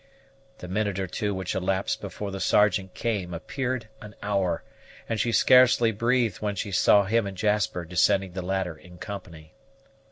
The minute or two which elapsed before the Sergeant came appeared an hour, and she scarcely breathed when she saw him and Jasper descending the ladder in company.